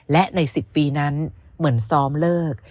และใน๑๐ปีนั้นเหมือนซ้อมเลิก